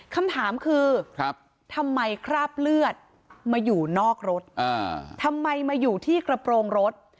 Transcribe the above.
คำถามคือทำไมคราบเลือดมาอยู่นอกรถทำไมมาอยู่ที่กระโปรงรถ